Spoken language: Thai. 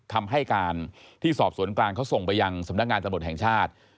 คำให้การที่สอบสวนกลางเขาส่งไปยังสำนักงานตำรวจแห่งชาติ